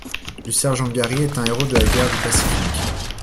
Le sergent Garry est un héros de la guerre du Pacifique.